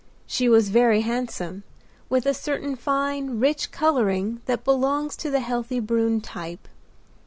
She was very handsome, with a certain fine, rich coloring that belongs to the healthy brune type.